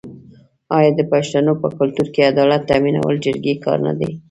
آیا د پښتنو په کلتور کې عدالت تامینول د جرګې کار نه دی؟